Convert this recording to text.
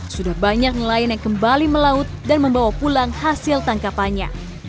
sudah banyak nelayan yang kembali melaut dan membawa pulang hasil tangkapannya